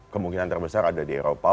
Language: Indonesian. kemungkinan terbesar ada di eropa